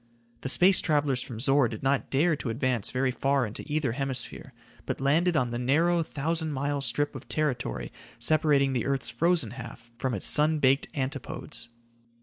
The space travelers from Zor did not dare to advance very far into either hemisphere, but landed on the narrow, thousand mile strip of territory separating the earth's frozen half from its sun baked antipodes.